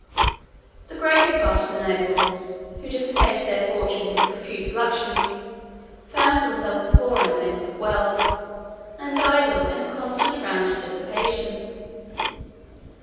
32 The greater part of the nobles, who dissipated their fortunes in profuse luxury, found themselves poor in the midst of wealth, and idle in a constant round of dissipation.